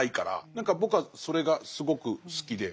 何か僕はそれがすごく好きで。